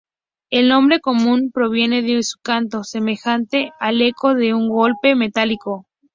El nombre común proviene de su canto, semejante al eco de un golpe metálico.